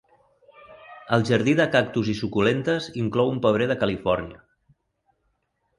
El Jardí de Cactus i Suculentes inclou un pebrer de Califòrnia.